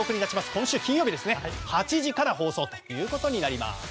今週金曜日８時から放送となります。